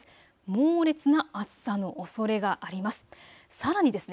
猛烈な暑さのおそれがあります。